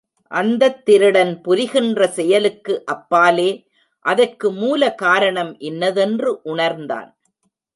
அந்தத் திருடன் புரிகின்ற செயலுக்கு அப்பாலே அதற்கு மூல காரணம் இன்னதென்று உணர்ந்தான்.